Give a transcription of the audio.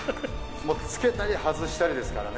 つけたり外したりですからね。